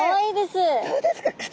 どうですか？